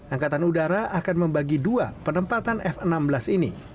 angkatan udara akan membagi dua penempatan f enam belas ini